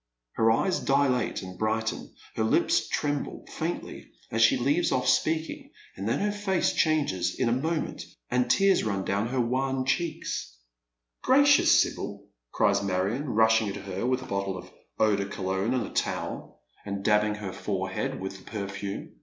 Her eyes dilate and brighten, her lips tremble faintly as she leaves off speaking, and then her face changes in a moment, and tears run down her wan cheeks. " Gracious, Sibyl 1 " cnes Marion, rushing at her with a bottla 66 bead Men's Shoes. of eau de Cologne and a towel, an J dabbing her forehead 'sitl the periume.